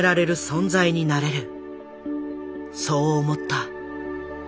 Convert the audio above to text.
そう思った。